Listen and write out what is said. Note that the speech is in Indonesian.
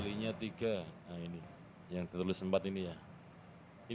nah ini yang tertulis empat ini ya ini ya mbak